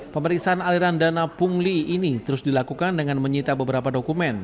pemeriksaan aliran dana pungli ini terus dilakukan dengan menyita beberapa dokumen